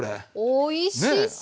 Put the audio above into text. おいしそう！